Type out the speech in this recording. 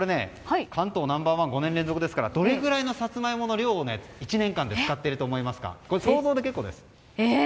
関東ナンバー１は５年連続ですがどれくらいのサツマイモの量を使っていると思いますか？